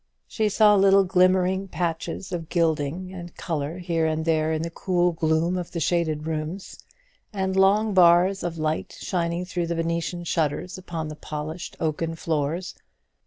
She saw little glimmering patches of gilding and colour here and there in the cool gloom of the shaded rooms, and long bars of light shining through the Venetian shutters upon the polished oaken floors.